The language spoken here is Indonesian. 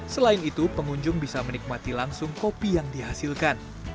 selain itu pengunjung bisa menikmati langsung kopi yang dihasilkan